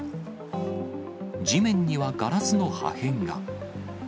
地面にはガラスの破片が。